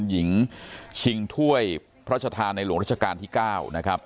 หญิงชิงถ้วยพระชธาในหลวงราชการที่๙นะครับ